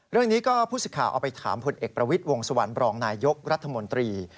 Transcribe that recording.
เรื่องนี้ก็ผู้สิทธิ์เอาไปถามผลเอกประวิทย์วงสวรรครองนายยกรัฐมนตรี